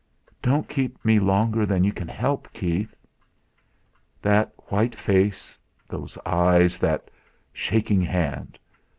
"Don't keep me longer than you can help, Keith!" That white face, those eyes, that shaking hand!